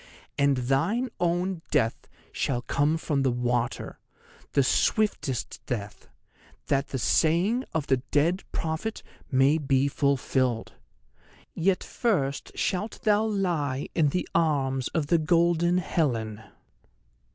And thine own death shall come from the water—the swiftest death—that the saying of the dead prophet may be fulfilled. Yet first shalt thou lie in the arms of the golden Helen."